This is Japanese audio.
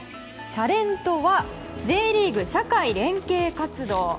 「シャレン！」とはＪリーグ社会連携活動。